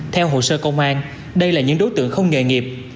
theo hồ sơ công an đây là những đối tượng không nghề nghiệp